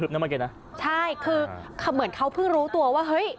เมื่อกี้นะใช่คือเหมือนเขาเพิ่งรู้ตัวว่าเฮ้ย